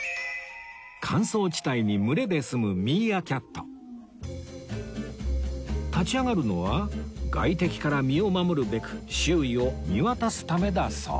乾燥地帯に群れで住む立ち上がるのは外敵から身を守るべく周囲を見渡すためだそう